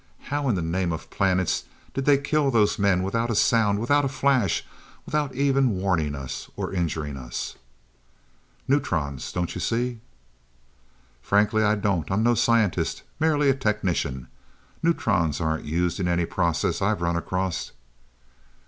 How in the name of the planets did they kill those men without a sound, without a flash, and without even warning us, or injuring us?" "Neutrons don't you see?" "Frankly, I don't. I'm no scientist merely a technician. Neutrons aren't used in any process I've run across."